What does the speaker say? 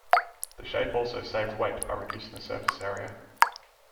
The shape also saved weight by reducing the surface area.